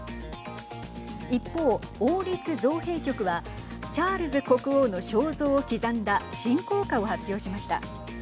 一方、王立造幣局はチャールズ国王の肖像を刻んだ新硬貨を発表しました。